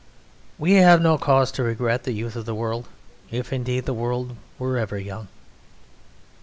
We have no cause to regret the youth of the world, if indeed the world were ever young.